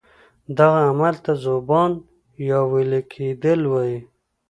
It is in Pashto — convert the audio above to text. دغه عمل ته ذوبان یا ویلي کیدل وایي.